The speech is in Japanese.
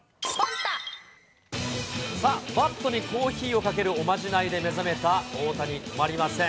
さあ、バットにコーヒーをかけるおまじないで目覚めた大谷、止まりません。